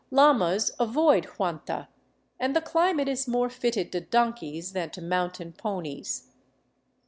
Llamas avoid Huanta, and the climate is more fitted to donkeys than to mountain ponies.